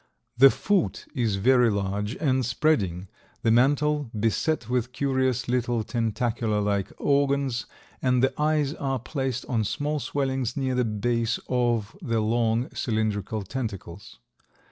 The foot is very large and spreading, the mantle beset with curious little tentacular like organs and the eyes are placed on small swellings near the base of the long, cylindrical tentacles.